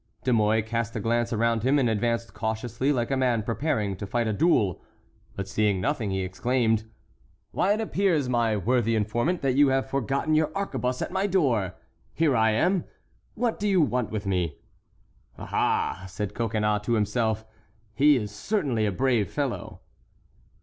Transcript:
De Mouy cast a glance around him, and advanced cautiously like a man preparing to fight a duel; but seeing nothing, he exclaimed: "Why, it appears, my worthy informant, that you have forgotten your arquebuse at my door! Here I am. What do you want with me?" "Aha!" said Coconnas to himself; "he is certainly a brave fellow!"